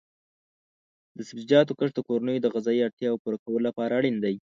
د سبزیجاتو کښت د کورنیو د غذایي اړتیاو پوره کولو لپاره اړین دی.